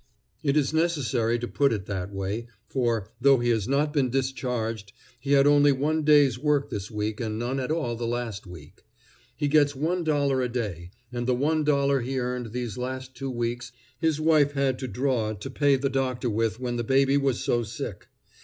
It is necessary to put it that way, for, though he has not been discharged, he had only one day's work this week and none at all last week. He gets one dollar a day, and the one dollar he earned these last two weeks his wife had to draw to pay the doctor with when the baby was so sick.